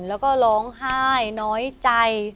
แล้วก็ร้องไห้น้อยใจ